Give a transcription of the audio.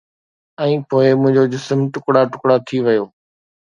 ۽ پوءِ منهنجو جسم ٽڪرا ٽڪرا ٿي ويو